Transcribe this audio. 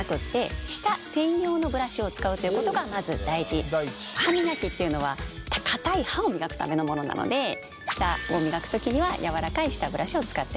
１つ目一番大事なことが歯磨きっていうのは硬い歯を磨くためのものなので舌を磨く時にはやらかい舌ブラシを使ってほしいということ。